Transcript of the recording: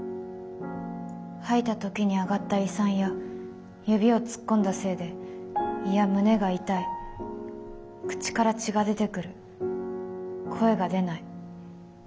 吐いた時にあがった胃酸や指を突っ込んだせいで胃や胸が痛い口から血が出てくる声が出ない。